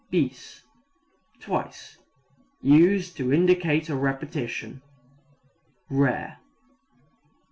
Bis twice. Used to indicate a repetition. (Rare.)